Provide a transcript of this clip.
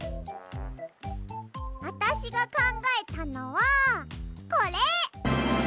あたしがかんがえたのはこれ！